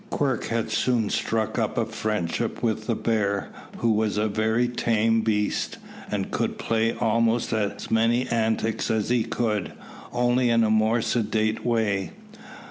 Quirk had soon struck up a friendship with the bear, who was a very tame beast, and could play almost as many antics as he could, only in a more sedate way.